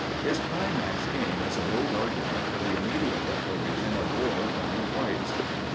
His climax came as a bold argument for the immediate declaration of war upon the whites.